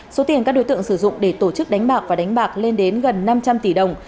số tiền các đối tượng sử dụng để tổ chức đánh bạc và đánh bạc lên đến gần năm trăm linh tỷ đồng